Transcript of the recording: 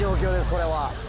これは。